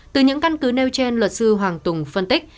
từ những căn cứ nêu trên luật sư hoàng tùng phân tích